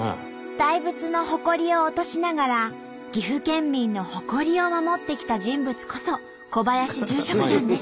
大仏のホコリを落としながら岐阜県民の誇りを守ってきた人物こそ小林住職なんです。